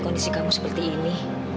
kondisi kamu seperti ini